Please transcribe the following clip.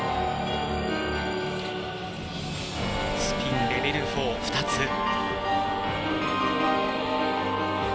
スピン、レベル４、２つ。